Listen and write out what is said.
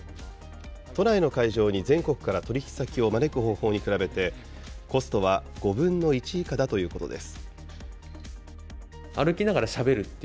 都内の会場に全国から取り引き先を招く方法に比べて、コストは５分の１以下だということです。